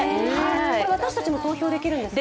私たちも投票できるんですか？